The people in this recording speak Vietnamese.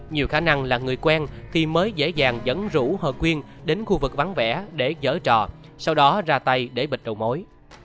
nhiều khả năng là người quen thì mới dễ dàng dẫn rũ hợp quyền đến khu vực vắng vẻ để dở trò sau đó ra tay để bịt đầu mối